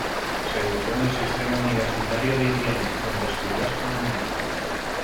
Se educó en el Sistema Universitario de Indiana, donde estudió astronomía.